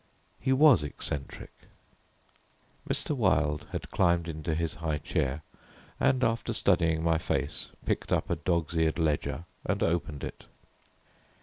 He was eccentric. Mr. Wilde had climbed into his high chair, and, after studying my face, picked up a dog's eared ledger and opened it.